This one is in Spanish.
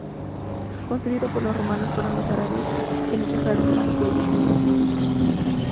Construido por los romanos, fueron los árabes quienes dejaron más huellas en el recinto.